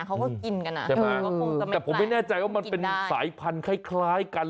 เขาก็กินกันอ่ะใช่ไหมแต่ผมไม่แน่ใจว่ามันเป็นสายพันธุ์คล้ายกัน